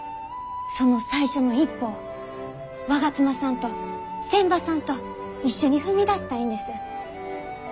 その最初の一歩を我妻さんと仙波さんと一緒に踏み出したいんです。